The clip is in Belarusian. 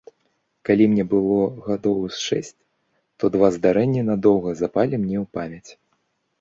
Калі мне было гадоў з шэсць, то два здарэнні надоўга запалі мне ў памяць.